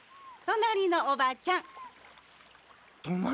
隣のおばちゃん？